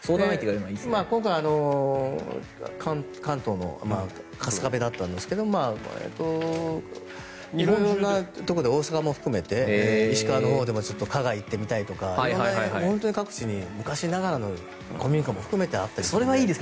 今回関東の春日部だったんですが色々なところで、大阪も含めて石川のほうでも加賀に行ってみたいとか各地に昔ながらの古民家も含めてあったりするので。